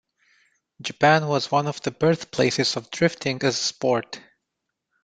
Japan was one of the birthplaces of drifting as a sport.